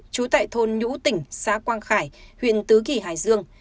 trú tại thôn nhũ tỉnh xã quang khải huyện tứ kỳ hải dương